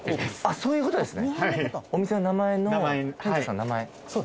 そういうことですね